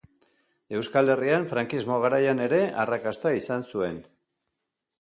Euskal Herrian frankismo garaian ere arrakasta izan zuen.